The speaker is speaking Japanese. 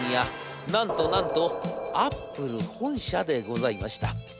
なんとなんとアップル本社でございました。